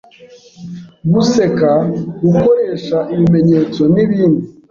guseka, gukoresha ibimenyetso n’ibindi.